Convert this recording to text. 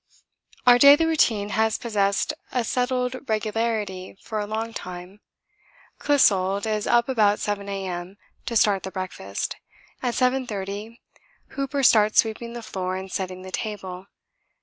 Our daily routine has possessed a settled regularity for a long time. Clissold is up about 7 A.M. to start the breakfast. At 7.30 Hooper starts sweeping the floor and setting the table.